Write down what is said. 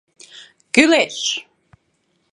— Кӱлеш!